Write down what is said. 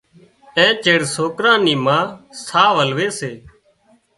اين چيڙ سوڪران نِي ما ساهَ ولوي سي۔